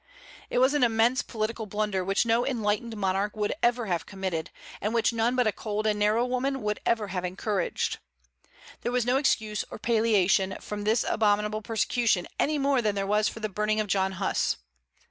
It was an immense political blunder, which no enlightened monarch would ever have committed, and which none but a cold and narrow woman would ever have encouraged. There was no excuse or palliation for this abominable persecution any more than there was for the burning of John Huss.